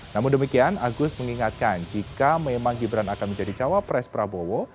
namun demikian agus mengingatkan jika memang gibran akan menjadi cawapres prabowo